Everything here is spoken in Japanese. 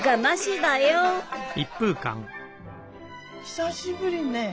久しぶりね